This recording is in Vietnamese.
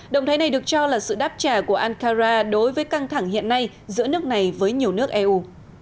động thái này được cho là sự đáp trả của ankara đối với căng thẳng hiện nay giữa nước này với nhiều nước eu